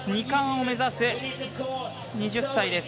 ２冠を目指す２０歳。